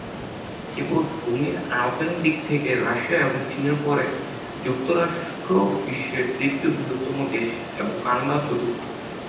কেবল ভূমির আয়তনের দিক থেকে, রাশিয়া এবং চীনের পরে যুক্তরাষ্ট্র বিশ্বের তৃতীয় বৃহত্তম দেশ, এবং কানাডা চতুর্থ।